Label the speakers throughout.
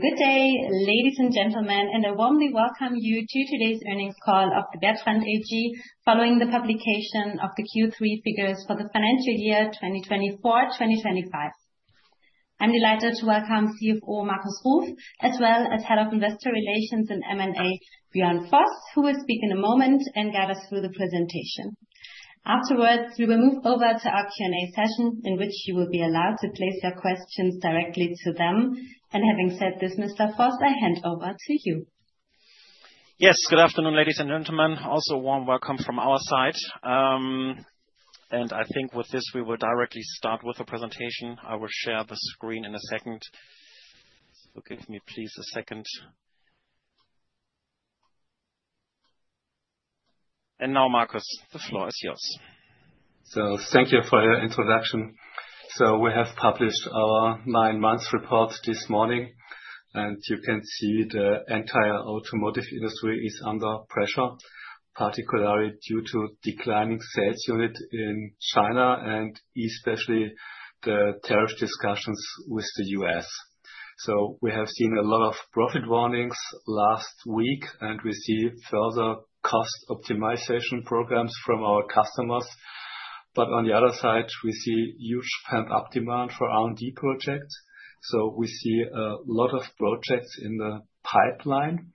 Speaker 1: Good day, ladies and gentlemen, and I warmly welcome you to today's earnings call of Bertrandt AG following the publication of the Q3 figures for the financial year 2024-2025. I'm delighted to welcome CFO Markus Ruf, as well as Head of Investor Relations and M&A, Björn Voss, who will speak in a moment and guide us through the presentation. Afterwards, we will move over to our Q&A session, in which you will be allowed to place your questions directly to them. Having said this, Mr. Voss, I hand over to you.
Speaker 2: Yes, good afternoon, ladies and gentlemen. Also, a warm welcome from our side. I think with this, we will directly start with the presentation. I will share the screen in a second. If you'll give me, please, a second. Now, Markus, the floor is yours.
Speaker 3: Thank you for your introduction. We have published our nine-month report this morning, and you can see the entire automotive industry is under pressure, particularly due to declining sales units in China and especially the tariff discussions with the U.S. We have seen a lot of profit warnings last week, and we see further cost optimization programs from our customers. On the other side, we see huge pent-up demand for R&D projects. We see a lot of projects in the pipeline.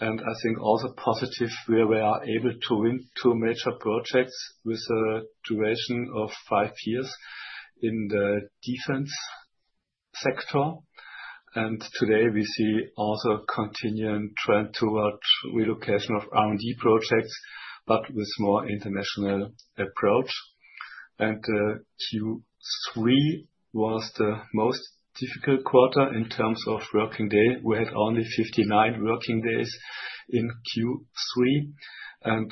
Speaker 3: I think also positive where we are able to win two major projects with a duration of five years in the defense sector. Today, we see also a continuing trend towards relocation of R&D projects, but with a more international approach. Q3 was the most difficult quarter in terms of working days. We had only 59 working days in Q3.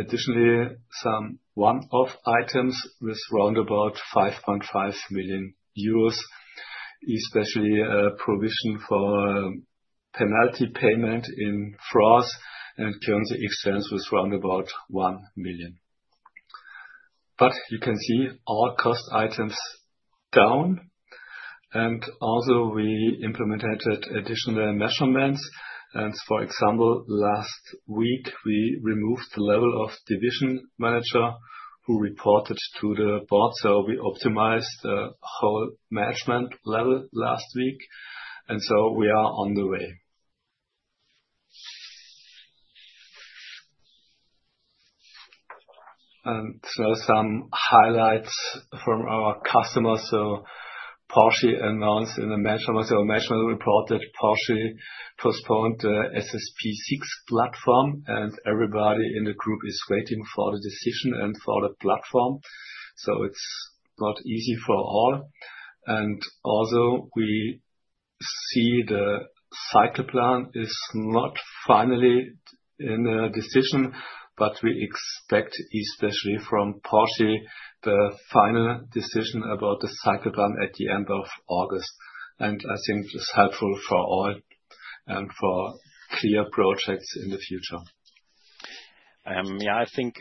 Speaker 3: Additionally, some one-off items with around 5.5 million euros, especially a provision for penalty payment in France and terms and exchanges with around 1 million. You can see all cost items down. We implemented additional measurements. For example, last week, we removed the level of Division Manager who reported to the Board. We optimized the whole management level last week. We are on the way. Some highlights from our customers. Porsche announced in the measurement. The measurement reported Porsche postponed the SSP6 platform, and everybody in the group is waiting for the decision and for the platform. It's not easy for all. We see the cycle plan is not finally in a decision, but we expect, especially from Porsche, the final decision about the cycle plan at the end of August. I think it's helpful for all and for clear projects in the future.
Speaker 2: I think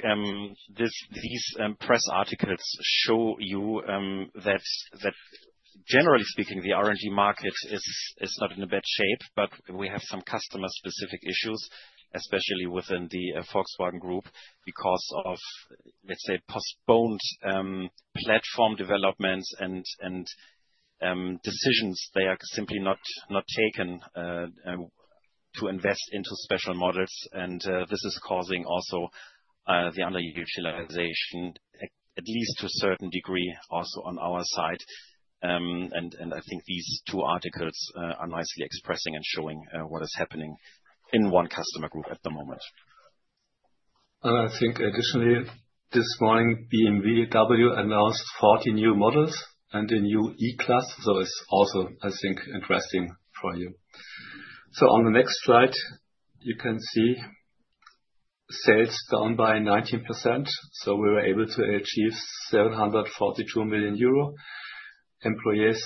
Speaker 2: these press articles show you that, generally speaking, the R&D market is not in a bad shape, but we have some customer-specific issues, especially within the Volkswagen Group because of, let's say, postponed platform developments and decisions that are simply not taken to invest into special models. This is causing also the underutilization, at least to a certain degree, also on our side. I think these two articles are nicely expressing and showing what is happening in one customer group at the moment.
Speaker 3: I think, additionally, this morning, BMW announced 40 new models and a new E-Class. It's also, I think, interesting for you. On the next slide, you can see sales down by 19%. We were able to achieve 742 million euro. Employees,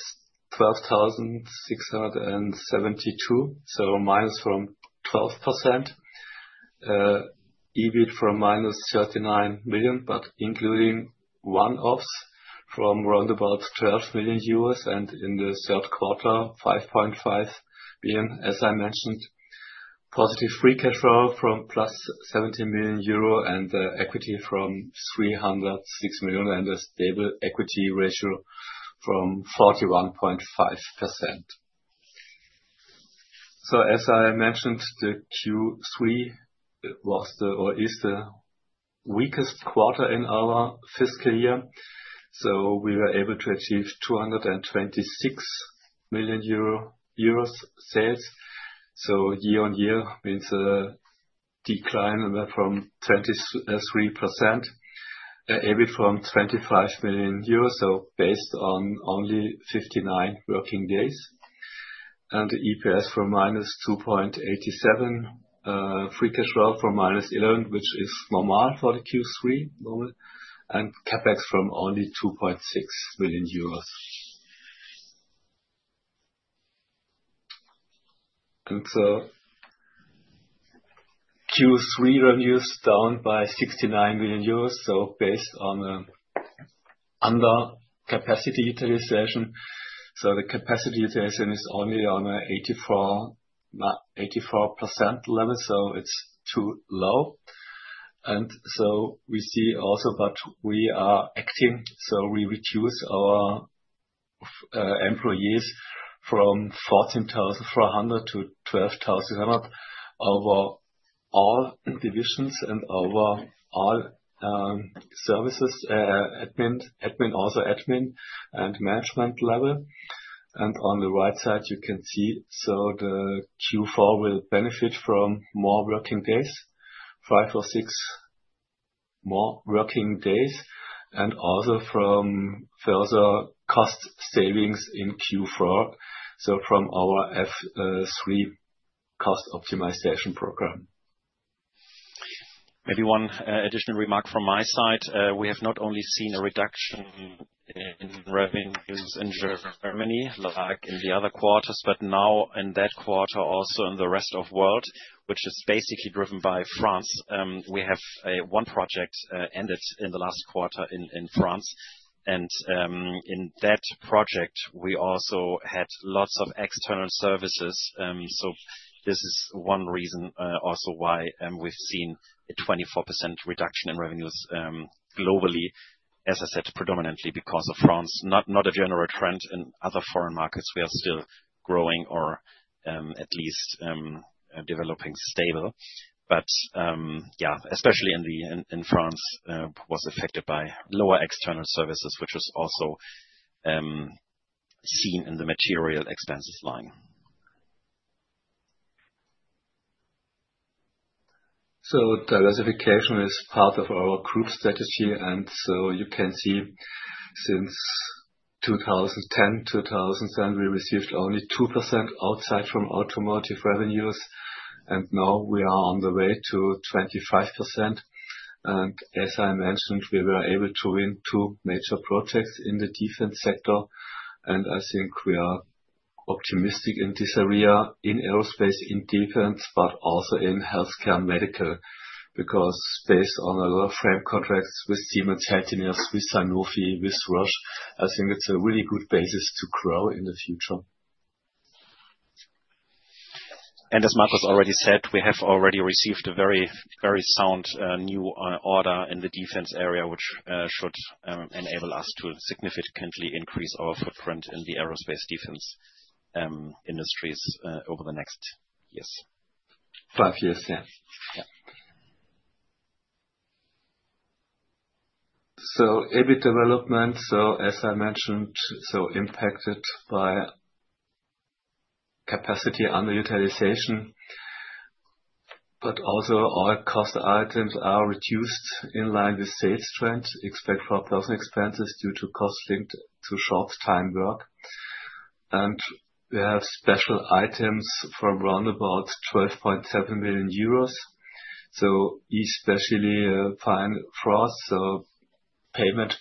Speaker 3: 12,672, so minus from 12%. EBIT from minus 39 million, but including one-offs from around about 12 million euros. In the third quarter, 5.5 million. As I mentioned, positive free cash flow from plus 70 million euro and the equity from 306 million and a stable equity ratio from 41.5%. As I mentioned, Q3 was or is the weakest quarter in our fiscal year. We were able to achieve 226 million euro sales. Year-on-year means a decline from 23%, EBIT from 25 million euros. Based on only 59 working days. The EPS from -2.87, free cash flow from -11, which is normal for the Q3 model, and CapEx from only 2.6 million euros. Q3 revenues down by 69 million euros, based on under-capacity utilization. The capacity utilization is only on an 84% level. It's too low. We see also, we are acting. We reduce our employees from 14,400 to 12,700 over all divisions and over all services, admin, also admin, and management level. On the right side, you can see the Q4 will benefit from more working days, five or six more working days, and also from further cost savings in Q4 from our F3 cost optimization program.
Speaker 2: Maybe one additional remark from my side. We have not only seen a reduction in revenues in Germany, like in the other quarters, but now in that quarter, also in the rest of the world, which is basically driven by France. We have one project ended in the last quarter in France. In that project, we also had lots of external services. This is one reason also why we've seen a 24% reduction in revenues globally, as I said, predominantly because of France. Not a general trend in other foreign markets. We are still growing or at least developing stable. Especially in France, it was affected by lower external services, which was also seen in the material expenses line.
Speaker 3: Diversification is part of our group strategy. You can see since 2010, 2007, we received only 2% outside from automotive revenues. Now we are on the way to 25%. As I mentioned, we were able to win two major projects in the defense sector. I think we are optimistic in this area in aerospace, in defense, but also in healthcare and medical because based on a lot of frame contracts with Siemens Healthineers, with Sanofi, with Roche, I think it's a really good basis to grow in the future.
Speaker 2: As Markus already said, we have already received a very, very sound new order in the defense area, which should enable us to significantly increase our footprint in the aerospace defense industries over the next years.
Speaker 3: Five years, yeah. EBIT development, as I mentioned, is impacted by capacity underutilization. All cost items are reduced in line with sales trends, except for personnel expenses due to costs linked to short-time work. We have special items from around 12.7 million euros. Especially antitrust fine, so payment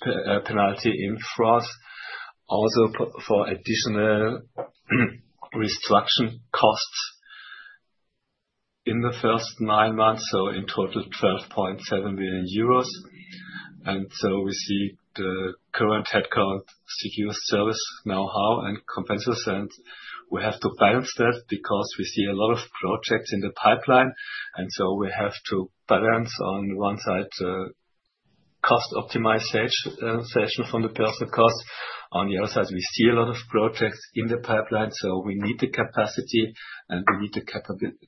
Speaker 3: penalty in France, also for additional construction costs in the first nine months. In total, 12.7 million euros. We see the current headcount to use service know-how and compensation. We have to balance that because we see a lot of projects in the pipeline. We have to balance on one side the cost optimization from the personnel costs. On the other side, we see a lot of projects in the pipeline. We need the capacity and we need the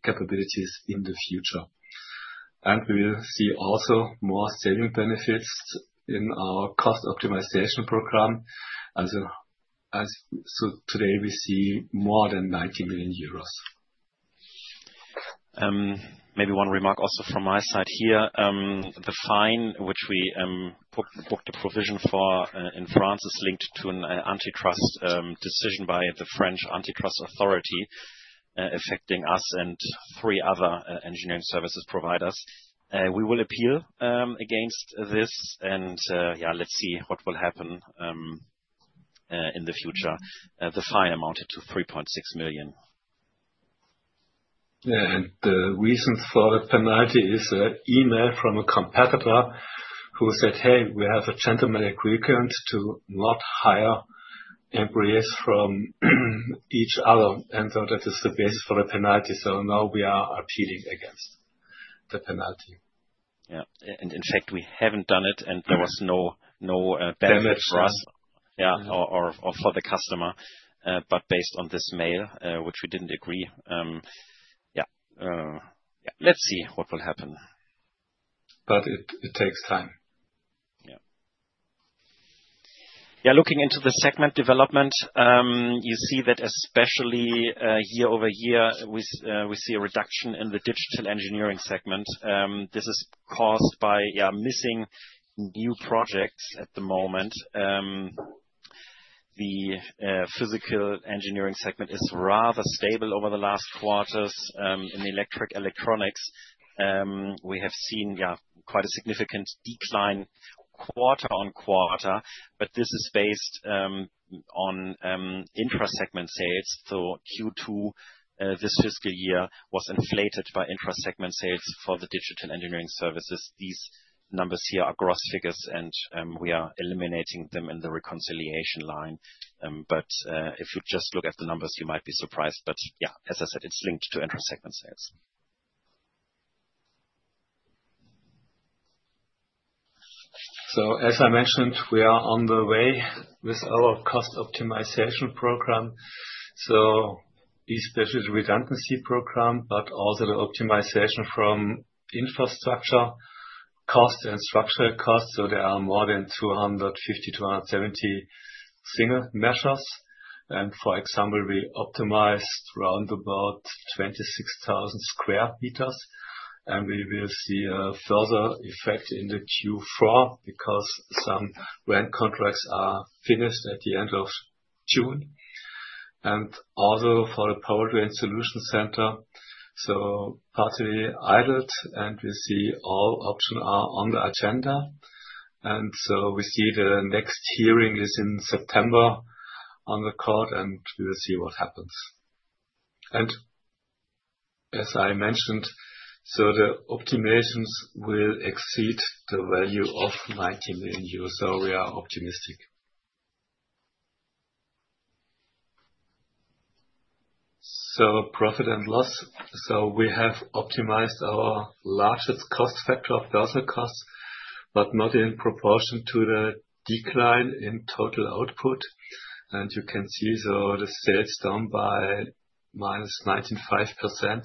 Speaker 3: capabilities in the future. We will see also more selling benefits in our cost optimization program. Today, we see more than 90 million euros.
Speaker 2: Maybe one remark also from my side here. The fine which we booked a provision for in France is linked to an antitrust decision by the French antitrust authority affecting us and three other engineering services providers. We will appeal against this. Let's see what will happen in the future. The fine amounted to 3.6 million.
Speaker 3: The reason for the penalty is an email from a competitor who said, "Hey, we have a gentleman agreement to not hire employees from each other." That is the basis for the penalty. We are arguing against the penalty.
Speaker 2: In fact, we haven't done it. There was no damage for us or for the customer. Based on this mail, which we didn't agree, let's see what will happen.
Speaker 3: It takes time.
Speaker 2: Yeah, looking into the segment development, you see that especially year-over-year, we see a reduction in the digital engineering segment. This is caused by missing new projects at the moment. The physical engineering segment is rather stable over the last quarters. In the electric electronics, we have seen quite a significant decline quarter on quarter. This is based on intrasegment sales. Q2 this fiscal year was inflated by intrasegment sales for the digital engineering services. These numbers here are gross figures, and we are eliminating them in the reconciliation line. If you just look at the numbers, you might be surprised. As I said, it's linked to intrasegment sales.
Speaker 3: As I mentioned, we are on the way with our cost optimization program, the special redundancy program, but also the optimization from infrastructure costs and structural costs. There are more than 250, 270 single measures. For example, we optimized around 26,000 square meters. We will see a further effect in Q4 because some rent contracts are finished at the end of June. Also, for the power grid solution center, partially added, and we see all options are on the agenda. We see the next hearing is in September in the court, and we will see what happens. As I mentioned, the optimizations will exceed the value of 90 million euros. We are optimistic. Profit and loss, we have optimized our largest cost factor, personnel costs, but not in proportion to the decline in total output. You can see the sales down by -19.5%.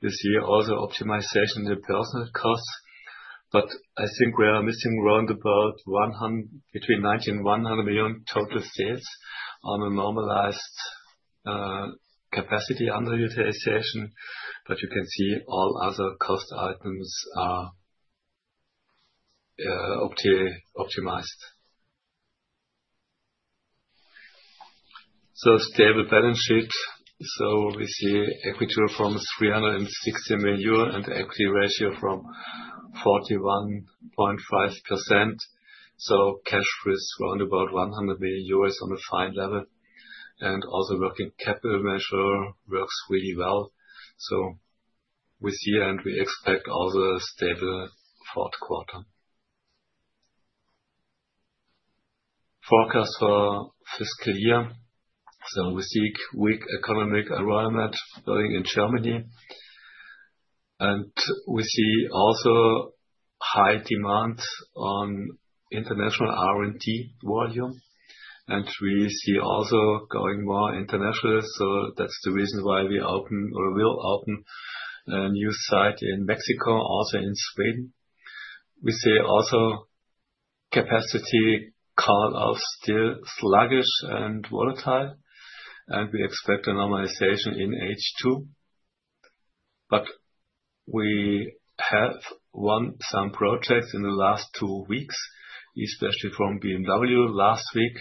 Speaker 3: You see also optimization in the personnel costs. I think we are missing around between 90 million and 100 million total sales on a normalized capacity underutilization. You can see all other cost items are optimized. Stable balance sheet, we see equity from 360 million euro and equity ratio from 41.5%. Cash flow is around 100 million euros on the fine level. Also, working capital measure works really well. We see and we expect also a stable fourth quarter. Forecast for fiscal year, we see a weak economic environment, including in Germany. We see also high demand on international R&D volume. We see also going more internationally, that's the reason why we open or will open a new site in Mexico, also in Sweden. We see also capacity callouts still sluggish and volatile. We expect a normalization in H2. We have won some projects in the last two weeks, especially from BMW last week.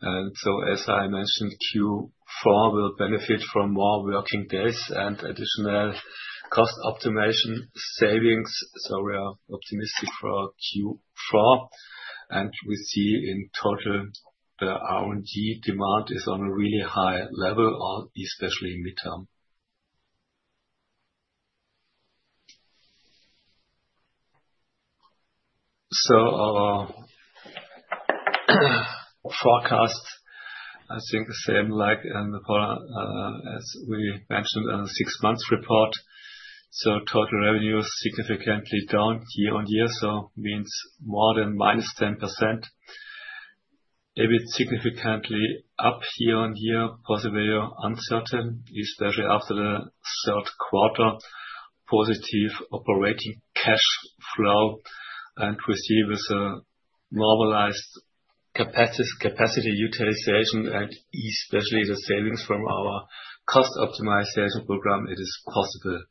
Speaker 3: As I mentioned, Q4 will benefit from more working days and additional cost optimization savings. We are optimistic for Q4. We see in total, the R&D demand is on a really high level, especially in midterm. Our forecasts, I think, the same like and as we mentioned in the six-month report. Total revenues significantly down year on year, it means more than -10%. EBIT significantly up year on year, possibly uncertain, especially after the third quarter, positive operating cash flow. We see with a normalized capacity utilization and especially the savings from our cost optimization program, it is possible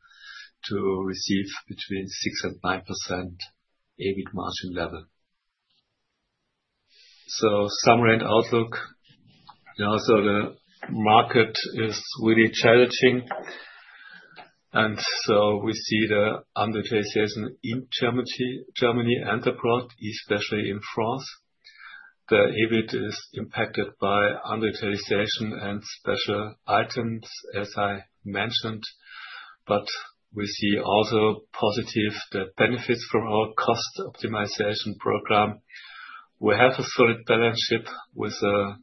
Speaker 3: to receive between 6% and 9% EBIT margin level. Summary and outlook: the market is really challenging. We see the underutilization in Germany and abroad, especially in France. The EBIT is impacted by underutilization and special items, as I mentioned. We see also positive benefits from our cost optimization program. We have a solid balance sheet with a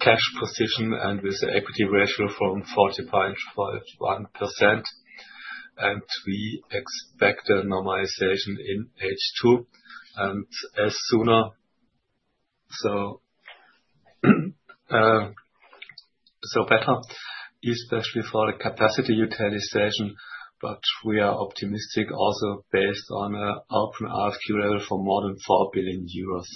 Speaker 3: cash position and with an equity ratio of 40.51%. We expect a normalization in H2. The sooner, the better, especially for the capacity utilization. We are optimistic also based on an open RFQ level for more than 4 billion euros.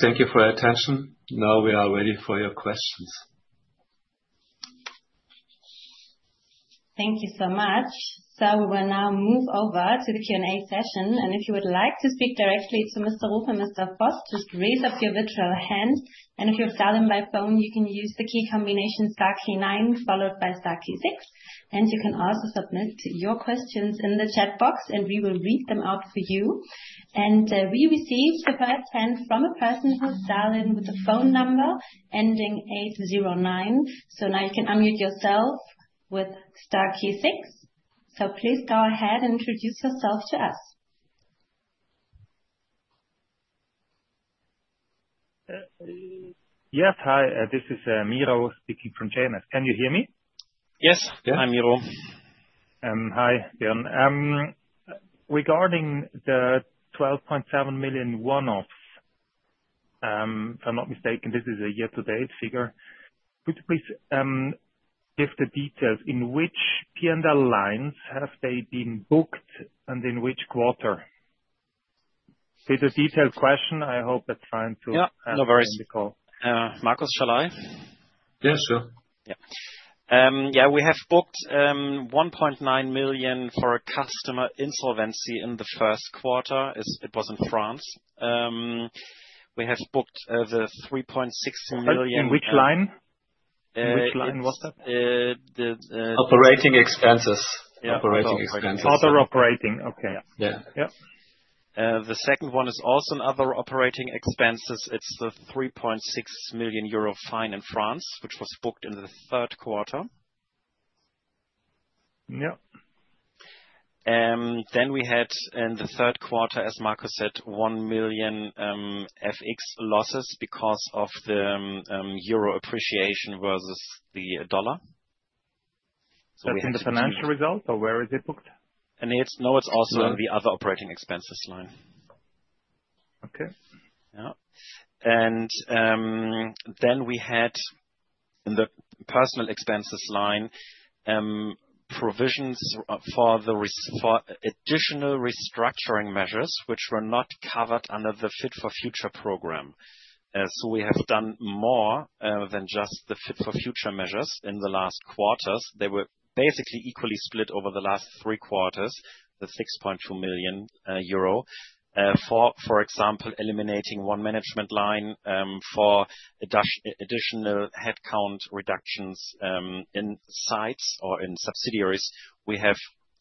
Speaker 3: Thank you for your attention. Now we are ready for your questions.
Speaker 1: Thank you so much. We will now move over to the Q&A session. If you would like to speak directly to Mr. Ruf and Mr. Voss, just raise up your virtual hand. If you have dialed in by phone, you can use the key combination star key nine followed by star key six. You can also submit your questions in the chat box, and we will read them out for you. We received the first hand from a person who has dialed in with a phone number ending 809. You can unmute yourself with star key six. Please go ahead and introduce yourself to us. Yes. Hi, this is Miro speaking from JMS. Can you hear me?
Speaker 2: Yes. Hi, Miro. Hi, Björn. Regarding the 12.7 million one-offs, if I'm not mistaken, this is a year-to-date figure. Could you please give the details in which P&L lines have they been booked and in which quarter? See the detailed question? I hope that's fine to answer in the call. Markus shall I?
Speaker 3: Yeah, sure.
Speaker 2: Yeah, we have booked 1.9 million for a customer insolvency in the first quarter. It was in France. We have booked the 3.6 million. In which line? In which line was that? Operating expenses. Operating expenses. Other operating. Okay. Yeah. Yeah. The second one is also another operating expense. It's the 3.6 million euro fine in France, which was booked in the third quarter.
Speaker 3: Yeah.
Speaker 2: We had in the third quarter, as Markus said, 1 million FX losses because of the euro appreciation versus the dollar. That's in the financial results, or where is it booked? No, it's also in the other operating expenses line. Okay. Yeah. We had in the personnel expenses line provisions for the additional restructuring measures, which were not covered under the Fit for Future program. We have done more than just the Fit for Future measures in the last quarters. They were basically equally split over the last three quarters, the 6.2 million euro. For example, eliminating one management line for additional headcount reductions in sites or in subsidiaries. We have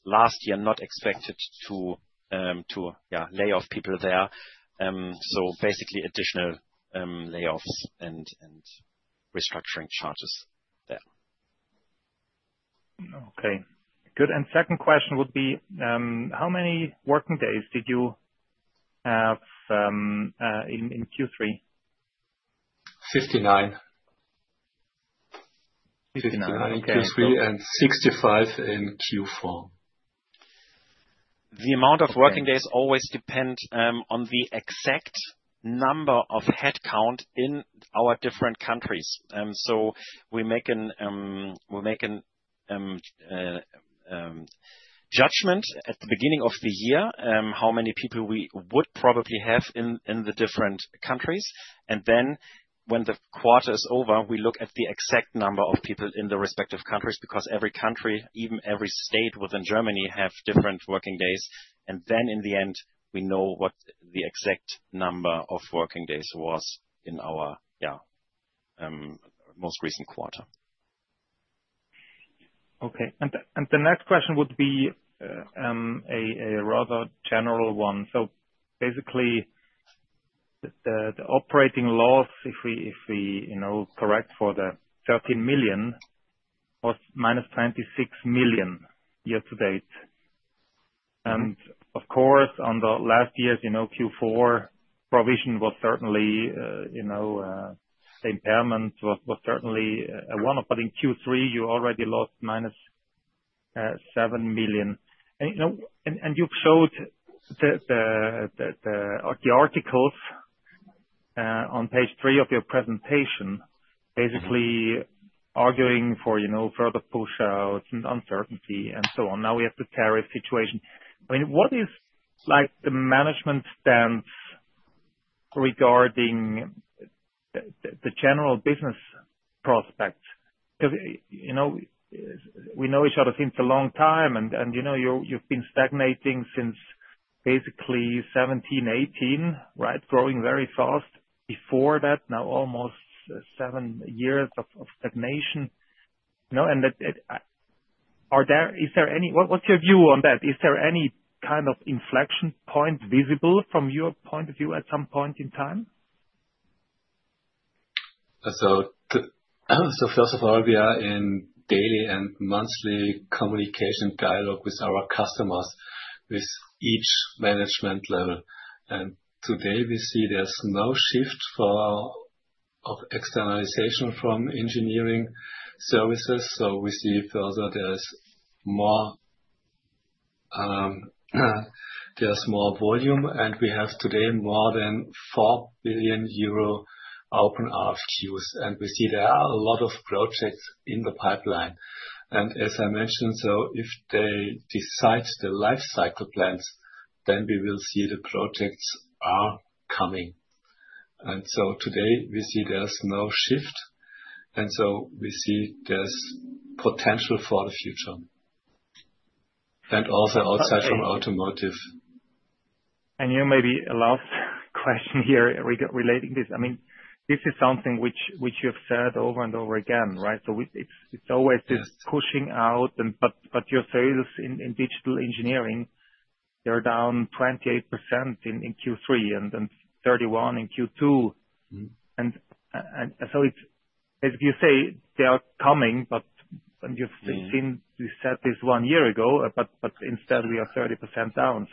Speaker 2: last year not expected to lay off people there. Basically, additional layoffs and restructuring charges there. Okay. Good. Second question would be, how many working days did you have in Q3?
Speaker 3: 59. 59. Okay. In Q3 and 65 in Q4.
Speaker 2: The amount of working days always depends on the exact number of headcount in our different countries. We make a judgment at the beginning of the year how many people we would probably have in the different countries. When the quarter is over, we look at the exact number of people in the respective countries because every country, even every state within Germany, has different working days. In the end, we know what the exact number of working days was in our most recent quarter. Okay. The next question would be a rather general one. Basically, the operating loss, if we correct for the 13 million, was minus 26 million year-to-date. Of course, in the last years, you know Q4 provision was certainly, you know, the impairment was certainly a one-off. In Q3, you already lost minus 7 million. You've showed the articles on page three of your presentation, basically arguing for further push-outs and uncertainty and so on. Now we have the tariff situation. What is the management stance regarding the general business prospects? You know, we know each other since a long time, and you've been stagnating since basically 2017, 2018, right? Growing very fast before that. Now almost seven years of stagnation. Is there any, what's your view on that? Is there any kind of inflection point visible from your point of view at some point in time?
Speaker 3: First of all, we are in daily and monthly communication dialogue with our customers with each management level. Today, we see there's no shift for externalization from engineering services. We see further there's more volume. We have today more than 4 billion euro open RFQs, and we see there are a lot of projects in the pipeline. As I mentioned, if they decide the lifecycle plans, then we will see the projects are coming. Today, we see there's no shift. We see there's potential for the future, and also outside from automotive. Maybe a last question here relating to this. I mean, this is something which you have said over and over again, right? It's always this pushing out. You say this in digital engineering, they're down 28% in Q3 and 31% in Q2. It's basically, you say they are coming, but you've seen you said this one year ago, but instead, we are 30% down.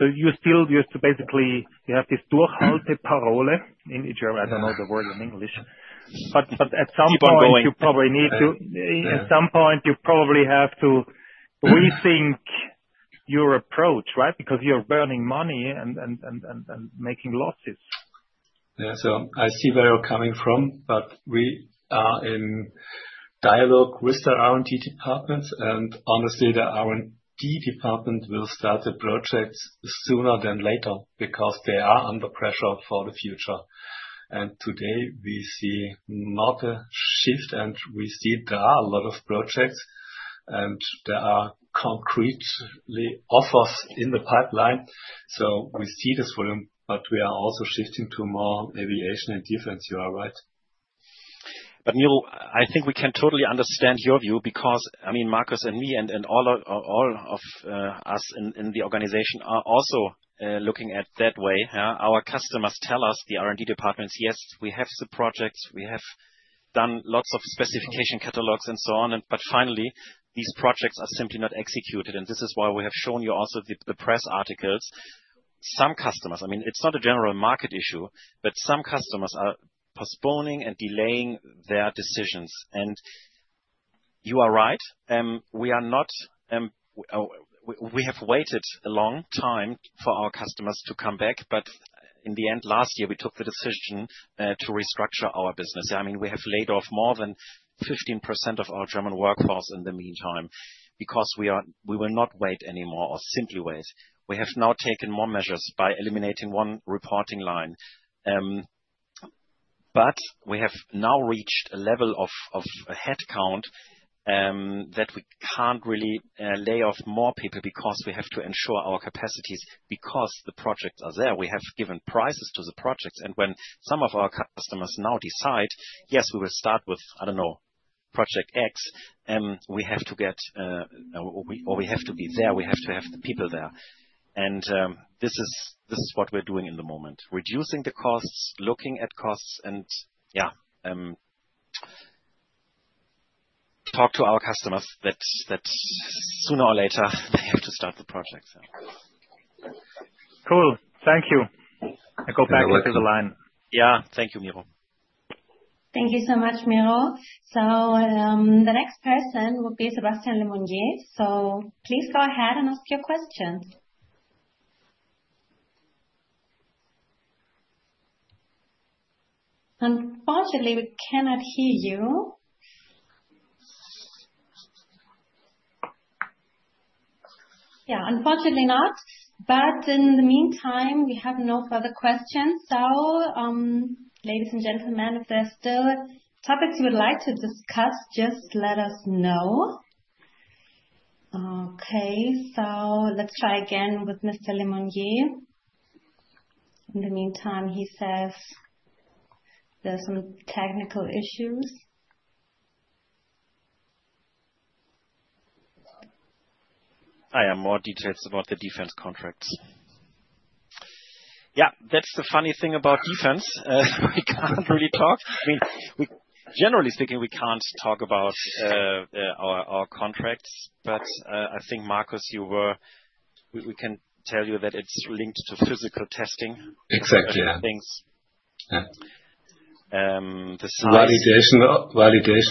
Speaker 3: You still used to basically, you have this "durante parole" in German. I don't know the word in English. At some point, you probably need to, at some point, you probably have to rethink your approach, right? You're burning money and making losses. I see where you're coming from, but we are in dialogue with the R&D departments. Honestly, the R&D department will start the projects sooner than later because they are under pressure for the future. Today, we see not a shift, and we see there are a lot of projects, and there are concrete offers in the pipeline. We see this volume, but we are also shifting to more aviation and defense. You are right.
Speaker 2: Miro, I think we can totally understand your view because, I mean, Markus and me and all of us in the organization are also looking at it that way. Our customers tell us, the R&D departments, "Yes, we have the projects. We have done lots of specification catalogs and so on. Finally, these projects are simply not executed." This is why we have shown you also the press articles. Some customers, I mean, it's not a general market issue, but some customers are postponing and delaying their decisions. You are right. We have waited a long time for our customers to come back. In the end, last year, we took the decision to restructure our business. I mean, we have laid off more than 15% of our German workforce in the meantime because we will not wait anymore or simply wait. We have now taken more measures by eliminating one reporting line. We have now reached a level of headcount that we can't really lay off more people because we have to ensure our capacities because the projects are there. We have given prices to the projects. When some of our customers now decide, "Yes, we will start with, I don't know, project X," we have to get or we have to be there. We have to have the people there. This is what we're doing in the moment, reducing the costs, looking at costs, and talk to our customers that sooner or later, they have to start the projects. Cool. Thank you. I go back to the line. Yeah, thank you, Miro.
Speaker 1: Thank you so much, Miro. The next person will be Sebastien LeMenager. Please go ahead and ask your questions. Unfortunately, we cannot hear you. Unfortunately not. In the meantime, we have no further questions. Ladies and gentlemen, if there's still topics you would like to discuss, just let us know. Let's try again with Mr. LeMenager. In the meantime, he says there's some technical issues. Hi, I have more details about the defense contracts.
Speaker 2: Yeah, that's the funny thing about defense. We can't really talk. I mean, generally speaking, we can't talk about our contracts. I think, Markus, we can tell you that it's linked to physical testing.
Speaker 3: Exactly.
Speaker 2: Things.
Speaker 3: Validation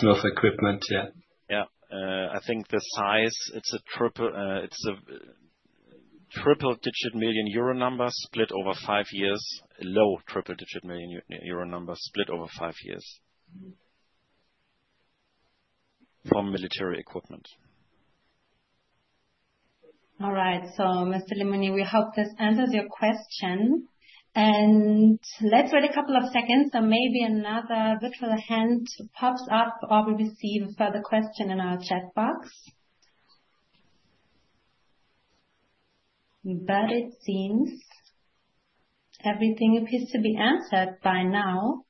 Speaker 3: of equipment, yeah.
Speaker 2: I think the size, it's a triple-digit million euro number split over five years. A low triple-digit million euro number split over five years from military equipment.
Speaker 1: All right. Mr. LeMenager, we hope this answers your question. Let's wait a couple of seconds. Maybe another virtual hand pops up or we receive a further question in our chat box. It seems everything appears to be answered by now.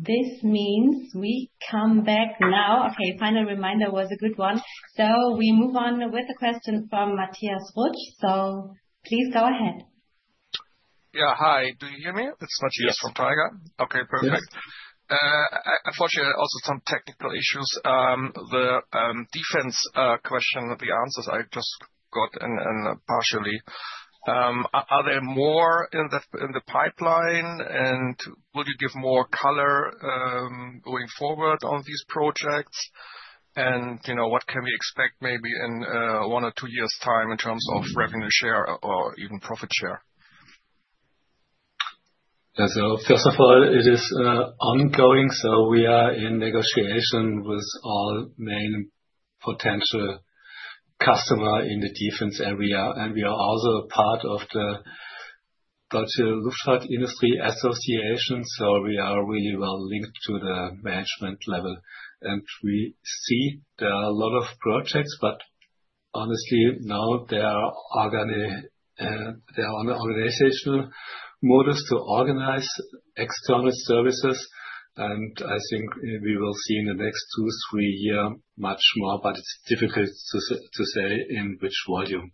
Speaker 1: This means we come back now. Final reminder was a good one. We move on with the question from Matthias Rutsch. Please go ahead.
Speaker 4: Yeah. Hi. Do you hear me? It's Matthias from Tiger. Okay, perfect. Unfortunately, also some technical issues. The defense question that we answered, I just got in partially. Are there more in the pipeline, and would you give more color going forward on these projects? You know, what can we expect maybe in one or two years' time in terms of revenue share or even profit share?
Speaker 3: Yeah. First of all, it is ongoing. We are in negotiation with our main potential customer in the defense area. We are also part of the Deutschen Luft-und Industry Association, so we are really well linked to the management level. We see there are a lot of projects, but honestly, now there are other organizational models to organize external services. I think we will see in the next two, three years much more, but it's difficult to say in which volume.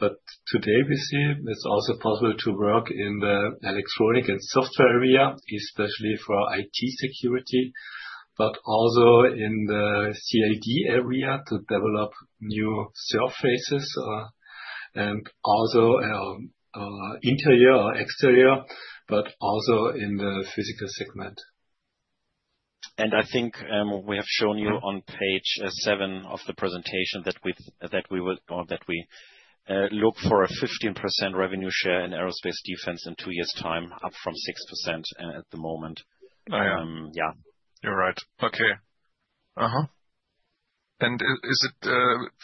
Speaker 3: Today, we see it's also possible to work in the electronic and software area, especially for IT security, but also in the CAD area to develop new surfaces and also our interior or exterior, but also in the physical segment.
Speaker 2: I think we have shown you on page seven of the presentation that we look for a 15% revenue share in aerospace defense in two years' time, up from 6% at the moment.
Speaker 3: Yeah, you're right. Okay.
Speaker 4: Is it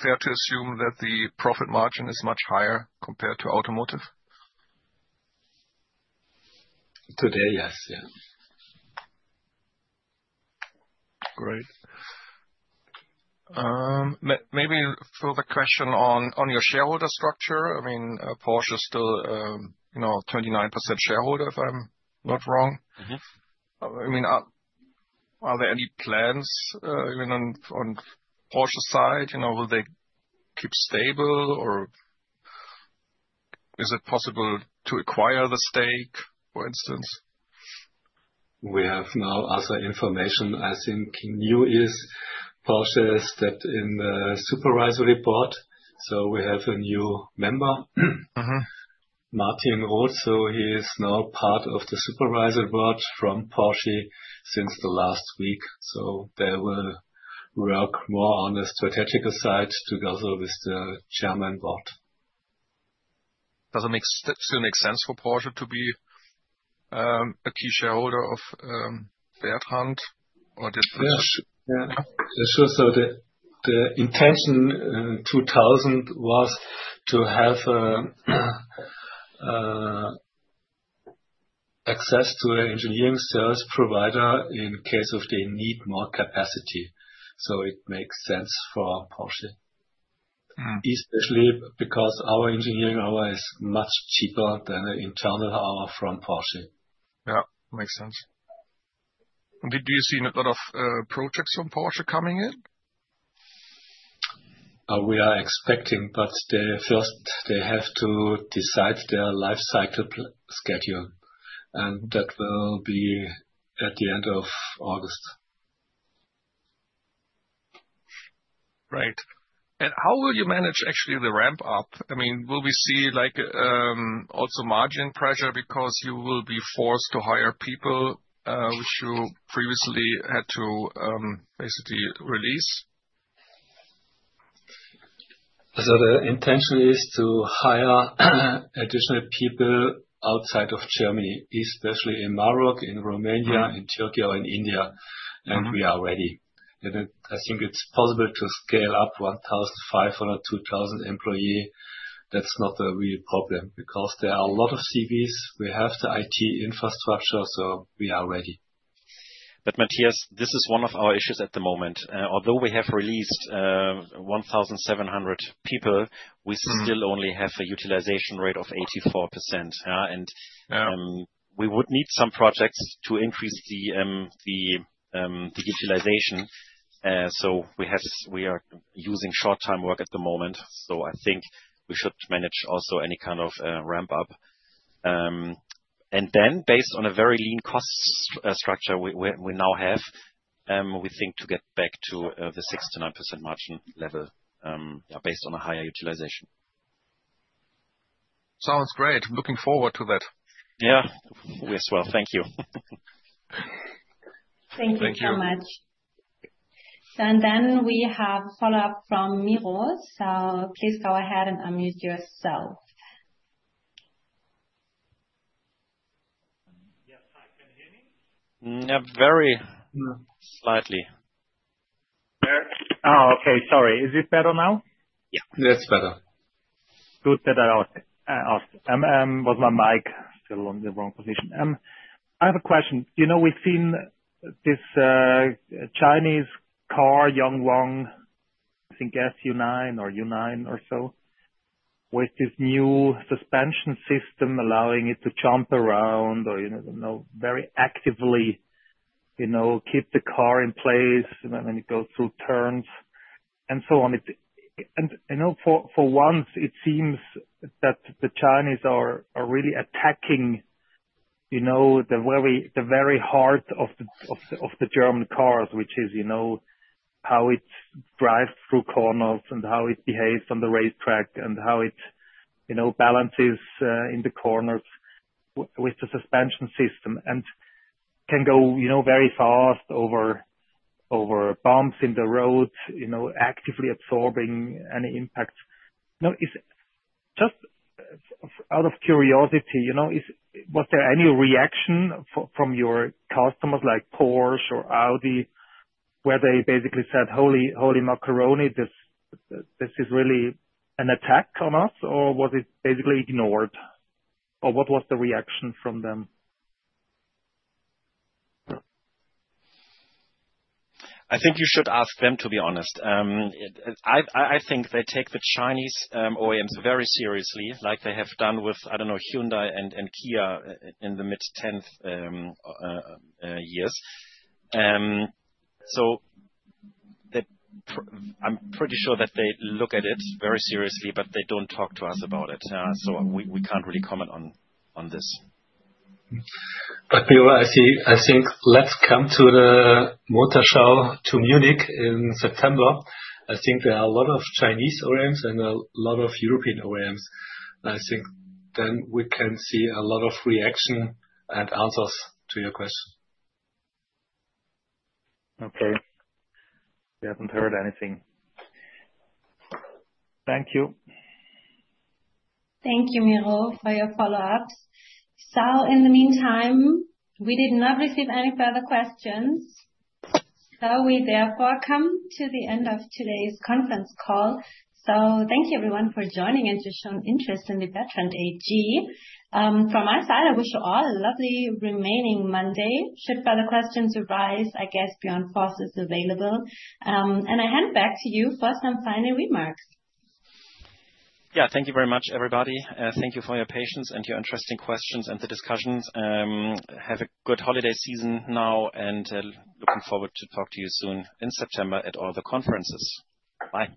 Speaker 4: fair to assume that the profit margin is much higher compared to automotive?
Speaker 3: Today, yes. Yeah.
Speaker 4: Great. Maybe a further question on your shareholder structure. I mean, Porsche is still a 29% shareholder, if I'm not wrong. I mean, are there any plans even on Porsche's side? You know, will they keep stable, or is it possible to acquire the stake, for instance?
Speaker 3: We have now other information. I think new is Porsche said in the Supervisory Board. We have a new member, Martin Roth. He is now part of the Supervisory Board from Porsche since last week. They will work more on the strategical side together with the German board.
Speaker 4: Does it still make sense for Porsche to be a key shareholder of Bertrandt or different?
Speaker 3: Yeah. Sure. The intention in 2000 was to have access to an engineering service provider in case they need more capacity. It makes sense for Porsche, especially because our engineering hour is much cheaper than the internal hour from Porsche.
Speaker 4: Yeah, makes sense. Do you see a lot of projects from Porsche coming in?
Speaker 3: We are expecting, but they first have to decide their lifecycle schedule. That will be at the end of August.
Speaker 4: Right. How will you manage actually the ramp-up? I mean, will we see like also margin pressure because you will be forced to hire people, which you previously had to basically release?
Speaker 3: The intention is to hire additional people outside of Germany, especially in Morocco, in Romania, in Turkey, or in India. We are ready, and I think it's possible to scale up 1,500-2,000 employees. That's not a real problem because there are a lot of CVs. We have the IT infrastructure, so we are ready.
Speaker 2: Matthias, this is one of our issues at the moment. Although we have released 1,700 people, we still only have a utilization rate of 84%. We would need some projects to increase the utilization. We are using short-time work at the moment. I think we should manage also any kind of ramp-up. Based on a very lean cost structure we now have, we think to get back to the 6%-9% margin level, yeah, based on a higher utilization.
Speaker 4: Sounds great. Looking forward to that.
Speaker 2: Thank you.
Speaker 1: Thank you so much. We have a follow-up from Miro. Please go ahead and unmute yourself.
Speaker 3: Yeah, very slightly. Oh, okay. Sorry. Is this better now?
Speaker 2: Yeah.
Speaker 3: This is better. Good. I'm with my mic still in the wrong position. I have a question. Do you know we've seen this Chinese car, Yangwang, I think SU9 or U9 or so, with this new suspension system allowing it to jump around or very actively keep the car in place when you go through turns and so on. I know for once, it seems that the Chinese are really attacking the very heart of the German cars, which is how it drives through corners and how it behaves on the racetrack and how it balances in the corners with the suspension system and can go very fast over bumps in the road, actively absorbing any impact. Just out of curiosity, was there any reaction from your customers like Porsche or Audi where they basically said, "Holy macaroni, this is really an attack on us," or was it basically ignored? What was the reaction from them?
Speaker 2: I think you should ask them, to be honest. I think they take the Chinese OEMs very seriously, like they have done with, I don't know, Hyundai and Kia in the mid-2010s. I'm pretty sure that they look at it very seriously, but they don't talk to us about it. We can't really comment on this.
Speaker 3: You're right. I think let's come to the motor show in Munich in September. I think there are a lot of Chinese OEMs and a lot of European OEMs. I think then we can see a lot of reaction and answers to your question. Okay, we haven't heard anything. Thank you.
Speaker 1: Thank you, Miro, for your follow-ups. In the meantime, we did not receive any further questions. We therefore come to the end of today's conference call. Thank you, everyone, for joining and to show interest in Bertrandt AG. From our side, I wish you all a lovely remaining Monday. Should further questions arise, I guess Björn Voss is available. I hand back to you for first and final remarks.
Speaker 2: Thank you very much, everybody. Thank you for your patience and your interesting questions and the discussions. Have a good holiday season now, and looking forward to talk to you soon in September at all the conferences. Bye.